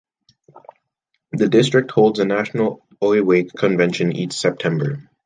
The district holds a national oiwake convention each September.